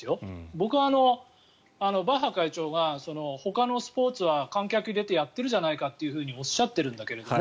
僕はバッハ会長がほかのスポーツは観客を入れてやっているじゃないかとおっしゃってるんだけれども